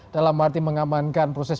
dalam arti mengamankan proses